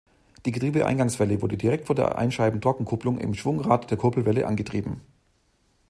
Die Getriebe-Eingangswelle wurde direkt von der Einscheibentrockenkupplung im Schwungrad der Kurbelwelle angetrieben.